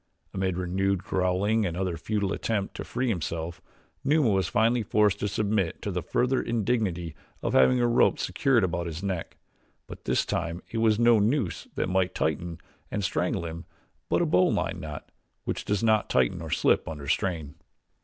Amid renewed growling and another futile attempt to free himself, Numa was finally forced to submit to the further indignity of having a rope secured about his neck; but this time it was no noose that might tighten and strangle him; but a bowline knot, which does not tighten or slip under strain.